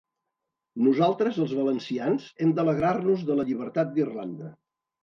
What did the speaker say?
Nosaltres els valencians hem d'alegrar-nos de la llibertat d'Irlanda.